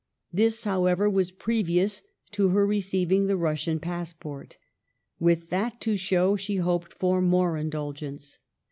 This, however, was previous to her receiving the Rus sian passport. With that to show, she hoped for more indulgence.